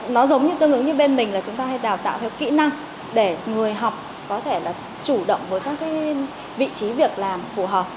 nó giống như tương ứng như bên mình là chúng ta hay đào tạo theo kỹ năng để người học có thể là chủ động với các cái vị trí việc làm phù hợp